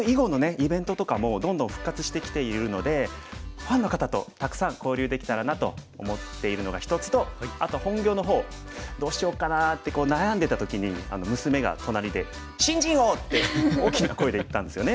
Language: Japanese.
イベントとかもどんどん復活してきているのでファンの方とたくさん交流できたらなと思っているのが一つとあと本業の方どうしようかなって悩んでた時に娘が隣で「新人王！」って大きな声で言ったんですよね。